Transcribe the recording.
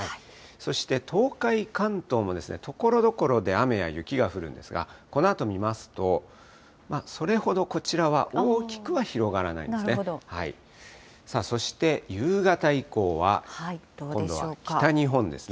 そして東海、関東もところどころで雨や雪が降るんですが、このあと見ますと、それほどこちらは大きくは広がらないですね。